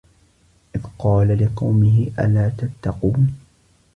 إذ قال لقومه ألا تتقون